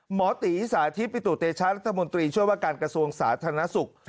หมอตีสาธิตปิตุเตชะรัฐมนตรีช่วยว่าการกระทรวงสาธารณสุข